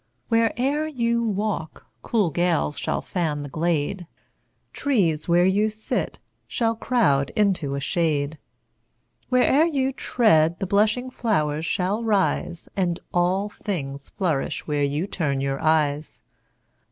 Where e'er you walk, cool gales shall fan the glade, Trees, where you sit, shall crowd into a shade, Where e'er you tread, the blushing flow'rs shall rise, And all things flourish where you turn your eyes.